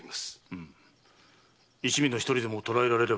うむ一味の一人でも捕らえられれば突破口になる。